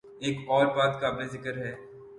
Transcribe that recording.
ایک اور بات قابل ذکر ہے۔